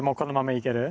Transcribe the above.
いける。